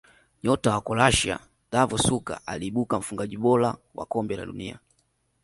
nyota wa croatia davor suker aliibuka mfungaji bora wa kombe la dunia